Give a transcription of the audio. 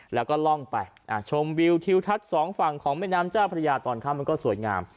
แล้วก็ล่องไปชมวิวทิวทัศน์สองฝั่งของแม่น้ำเจ้าพระยาตอนค่ำมันก็สวยงาม